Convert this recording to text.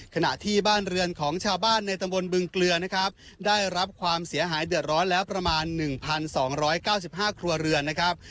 ขณะที่บ้านเรือนของชาวบ้านในตำบลบึงเกลือนะครับได้รับความเสียหายเดือดร้อนแล้วประมาณ๑๒๙๕ครัวเรือนนะครับ